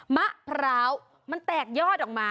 มะพร้าวมันแตกยอดออกมา